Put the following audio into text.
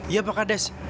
ya pak kades